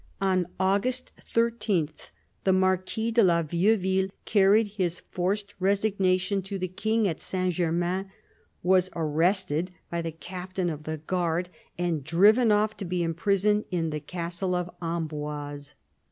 On August 13 the Marquis tie la Vieuville carried his forced resignation to the King at Saint Germain, was arrested by the captain of the guard and driven off to be imprisoned in the castle of Amboise.